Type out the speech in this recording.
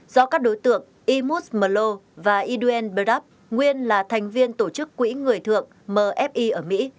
do các đối tượng imus mello và edwin burdap nguyên là thành viên tổ chức quỹ người thượng mfi ở mỹ